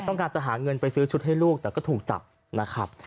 ต้องการจะหาเงินไปซื้อชุดให้ลูกแต่ก็ถูกจับนะครับ